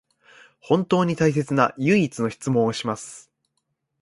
本当に大切な唯一の質問をします